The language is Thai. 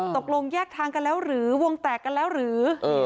ตกลงแยกทางกันแล้วหรือวงแตกกันแล้วหรือ